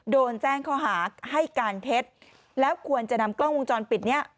โดนแจ้งข้อหาให้การเท็จแล้วควรจะนำกล้องวงจรปิดเนี้ย